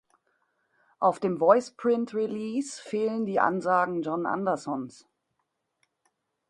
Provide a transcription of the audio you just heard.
Auf dem Voiceprint-Release fehlen die Ansagen Jon Andersons.